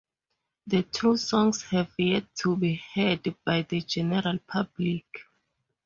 The two songs have yet to be heard by the general public.